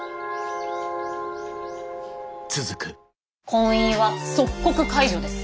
婚姻は即刻解除です。